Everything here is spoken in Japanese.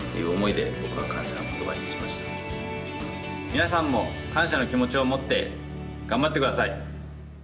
皆さんも感謝の気持ちを持って頑張ってください。